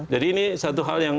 jadi ini satu hal yang